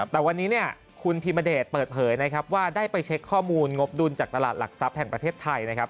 แต่วันนี้เนี่ยคุณพิมเดชเปิดเผยนะครับว่าได้ไปเช็คข้อมูลงบดุลจากตลาดหลักทรัพย์แห่งประเทศไทยนะครับ